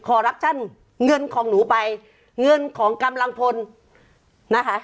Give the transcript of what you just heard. รับชั่นเงินของหนูไปเงินของกำลังพลนะคะ